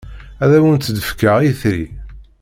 Ad awent-d-fkeɣ itri.